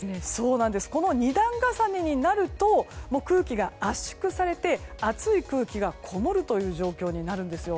二段重ねになると空気が圧縮されて暑い空気がこもるという状況になるんですよ。